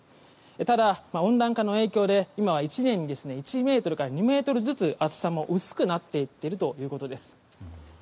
ただ温暖化の影響で今は１年に１ｍから２ｍずつ厚さも薄くなっていっているということです。